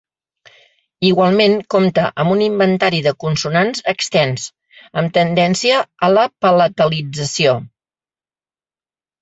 Igualment compta amb un inventari de consonants extens, amb tendència a la palatalització.